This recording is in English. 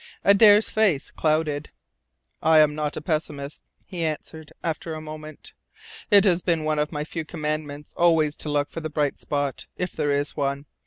Adare's face clouded. "I am not a pessimist," he answered, after a moment. "It has been one of my few Commandments always to look for the bright spot, if there is one.